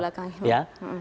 yang ada di belakang